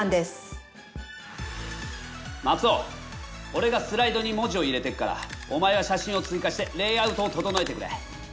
おれがスライドに文字を入れていくからお前は写真を追加してレイアウトを整えてくれ。